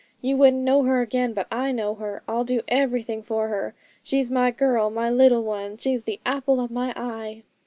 You wouldn't know her again, but I know her. I'll do everything for her; she's my girl, my little one; she's the apple of my eye.'